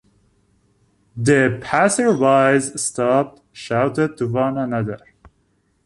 The passers-by stopped, shouted to one another.